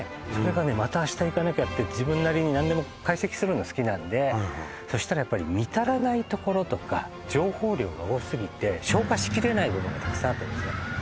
それがねまた明日行かなきゃって自分なりに何でも解析するの好きなんでそしたらやっぱり見足らないところとか情報量が多すぎて消化しきれない部分がたくさんあったんですね